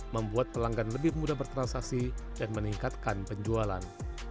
membuat pelanggan lebih mudah bertransaksi dan meningkatkan penjualan